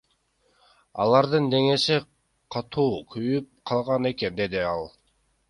Алардын денеси катуу күйүп калган экен, — деди ал.